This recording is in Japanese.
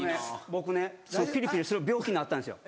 僕ねピリピリする病気になったんですよ。